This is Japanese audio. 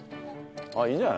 ああいいんじゃない？